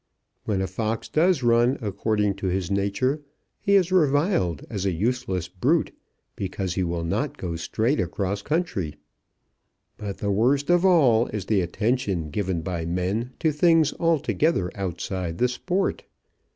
When a fox does run according to his nature he is reviled as a useless brute, because he will not go straight across country. But the worst of all is the attention given by men to things altogether outside the sport.